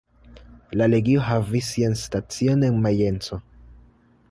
La legio havis sian stacion en Majenco.